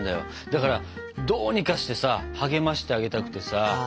だからどうにかしてさ励ましてあげたくてさ。